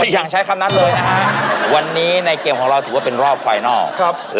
อย่างใช้คำนั้นเลยนะฮะวันนี้ในเกมของเราถือว่าเป็นรอบไฟนอล